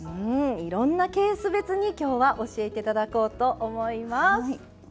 いろんなケース別に今日は教えていただこうと思います。